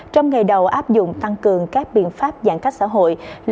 trong ngày đầu áp dụng tăng cường các biện pháp giãn cách xã hội